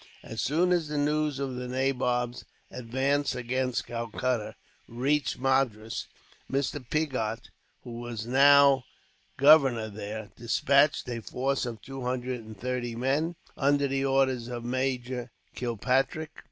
As soon as the news of the nabob's advance against Calcutta reached Madras, Mr. Pigot, who was now governor there, despatched a force of two hundred and thirty men, under the orders of Major Kilpatrick.